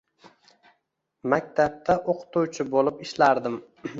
Maktabda o`qituvchi bo`lib ishlardim